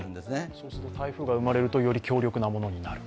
そうすると台風が生まれると、より強力なものになる？